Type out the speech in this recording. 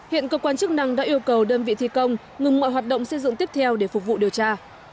hiện cơ quan chức năng đã yêu cầu đơn vị thi công ngừng mọi hoạt động xây dựng tiếp theo để phục vụ điều tra